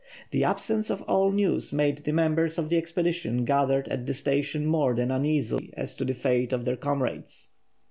The absence of all news made the members of the expedition gathered at the station more than uneasy as to the fate of their comrades.